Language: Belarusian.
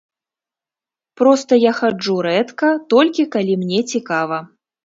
Проста я хаджу рэдка, толькі калі мне цікава.